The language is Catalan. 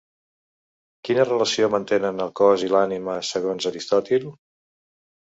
Quina relació mantenen el cos i l'ànima, segons Aristòtil?